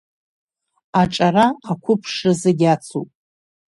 Аҿара-ақәыԥшра зегь ацуп…